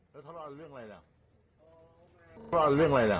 แล้วเธอเล่าเรื่องอะไรแล้วเธอเล่าเรื่องอะไรแล้ว